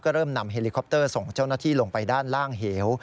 เริ่มนำเฮลิคอปเตอร์ส่งเจ้าหน้าที่ลงไปด้านล่างเหว